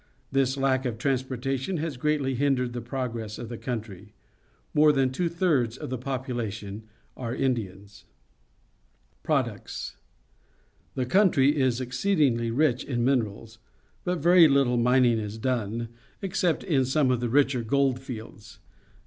This lack of transportation has greatly hindered the progress of the country. More than two thirds of the population are Indians. Products. — The country is exceedingly rich in minerals, but very Uttle mining is done, except in some of the richer gold fields.